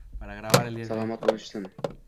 Salomat bo’lishsin...